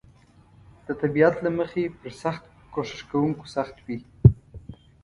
د طبیعت له مخې پر سخت کوښښ کونکو سخت وي.